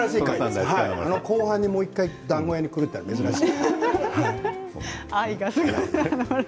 後半にもう１回だんご屋に来るのは珍しい。